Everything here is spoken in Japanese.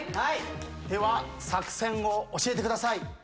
では作戦を教えてください。